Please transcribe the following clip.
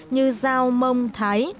như giao mông thái